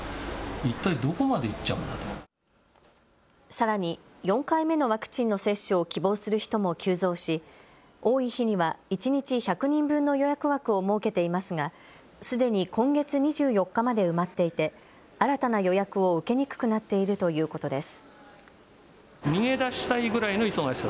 さらに４回目のワクチンの接種を希望する人も急増し、多い日には一日１００人分の予約枠を設けていますが、すでに今月２４日まで埋まっていて新たな予約を受けにくくなっているということです。